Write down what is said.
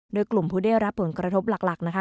โดยกลุ่มผู้ได้รับผลกระทบหลักนะคะ